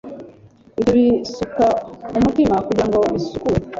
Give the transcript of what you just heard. Ibyo bisuka mumutima kugirango bisukure